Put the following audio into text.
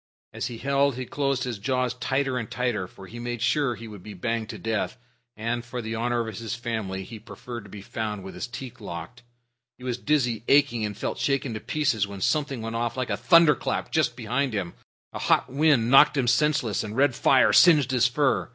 As he held he closed his jaws tighter and tighter, for he made sure he would be banged to death, and, for the honor of his family, he preferred to be found with his teeth locked. He was dizzy, aching, and felt shaken to pieces when something went off like a thunderclap just behind him. A hot wind knocked him senseless and red fire singed his fur.